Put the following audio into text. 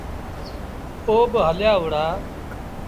او با هليآ وُهڙآ۔